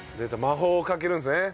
魔法をかけるんですね。